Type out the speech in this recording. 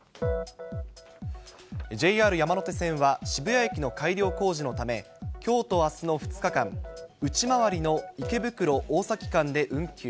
ＪＲ山手線は、渋谷駅の改良工事のため、きょうとあすの２日間、内回りの池袋・大崎間で運休。